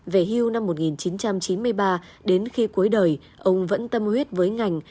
về hưu năm một nghìn chín trăm chín mươi ba đến khi cuối đời ông vẫn tâm huyết với ngành